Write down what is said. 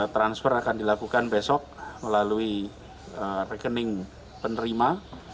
transfer akan dilakukan besok melalui rekening penerima